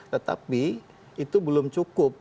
tetapi itu belum cukup